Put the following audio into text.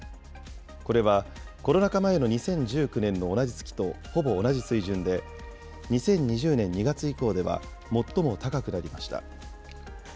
これは、コロナ禍前の２０１９年の同じ月とほぼ同じ水準で、２０２０年２月以降では最も高くなりました。